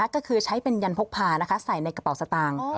ก็คือใช้เป็นยันพกพาใส่ในกระเป๋าสตางค์